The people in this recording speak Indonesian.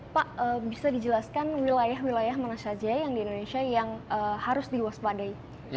pak bisa dijelaskan wilayah wilayah mana saja yang di indonesia yang harus diwaspadai